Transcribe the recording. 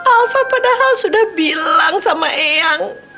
alfa padahal sudah bilang sama eyang